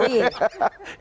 ternyata dari persia jokowi